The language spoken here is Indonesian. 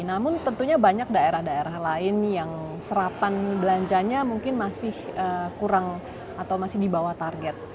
namun tentunya banyak daerah daerah lain yang serapan belanjanya mungkin masih kurang atau masih di bawah target